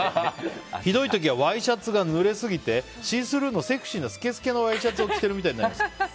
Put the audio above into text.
ひどい時はワイシャツがぬれすぎてシースルーのセクシーなスケスケのワイシャツを着てるみたいになります。